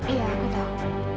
iya aku tahu